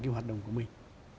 cái hoạt động của mình